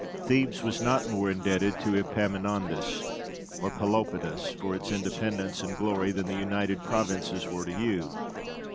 Thebes was not more indebted to Epaminondas or Pelopidas for its independence and glory than the United Provinces were to you.